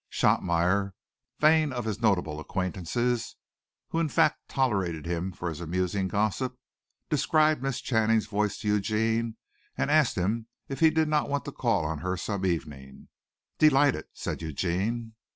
Shotmeyer, vain of his notable acquaintances who in fact tolerated him for his amusing gossip described Miss Channing's voice to Eugene and asked him if he did not want to call on her some evening. "Delighted," said Eugene.